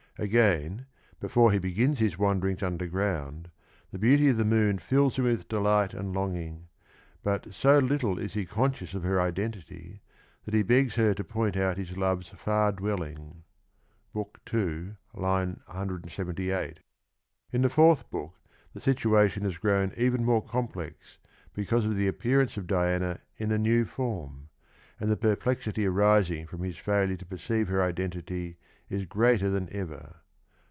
Again, before ho begins his wanderings underground, the beauty of the moon fills him with delight and longing, but, so little is he coii8<^'ious of her identity, that he begs her to point out liis love'vS far dwelling (J I. 178). In the fourth book the situation has gi^ovy n even more compk x ])ccause of the appearance of Diana in a new form, and the perplexity arising from his failure to perceive her identity is greater than ever.